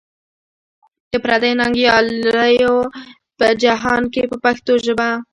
د پردیو ننګیالیو په جهان کې په پښتو ژبه.